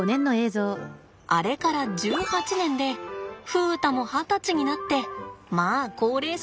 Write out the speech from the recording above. あれから１８年で風太も二十歳になってまあ高齢者です。